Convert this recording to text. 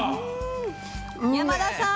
山田さん